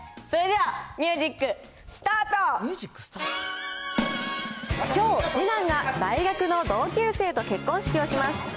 それではミュージックスタートきょう、次男が大学の同級生と結婚式をします。